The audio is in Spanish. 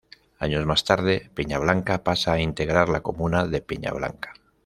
Años más tarde, Peñablanca pasa a integrar la comuna de Peña Blanca.